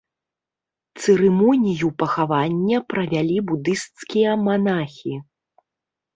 Цырымонію пахавання правялі будысцкія манахі.